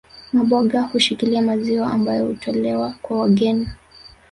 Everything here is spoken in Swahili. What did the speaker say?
Maboga hushikilia maziwa ambayo hutolewa kwa wageni